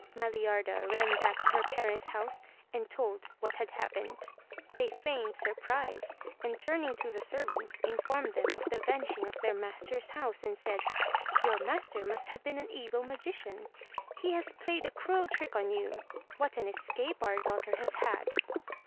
Maliarda ran back to her parents' house and told what had happened. They feigned surprise, and turning to the servants, informed them of the vanishing of their master's house, and said, "Your master must have been an evil magician. He has played a cruel trick on you. What an escape our daughter has had